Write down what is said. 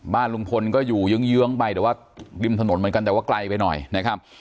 บ้านลุงพลก็อยู่เยื้องไปแต่ว่าริมถนนเหมือนกันแต่ว่าไกลไปหน่อยนะครับ